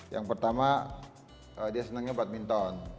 yang pertama dia senangnya badminton